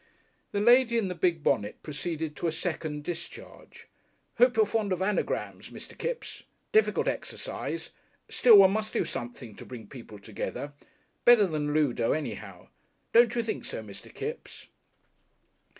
The lady in the big bonnet proceeded to a second discharge. "Hope you're fond of anagrams, Mr. Kipps difficult exercise still one must do something to bring people together better than Ludo anyhow. Don't you think so, Mr. Kipps?"